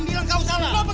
jangan jangan jangan